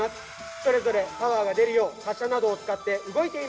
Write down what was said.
それぞれパワーが出るよう滑車などを使って動いています。